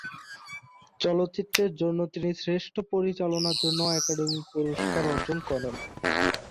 চলচ্চিত্রের জন্য তিনি শ্রেষ্ঠ পরিচালনার জন্য একাডেমি পুরস্কার অর্জন করেন।